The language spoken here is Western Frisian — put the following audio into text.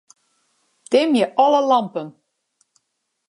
Dimje alle lampen.